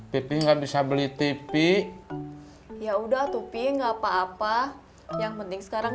pipi nggak bisa beli tipi ya udah tuh pi nggak apa apa yang penting sekarang